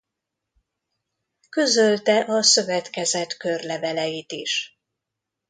Közölte a Szövetkezet körleveleit is.